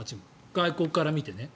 外国から見てね。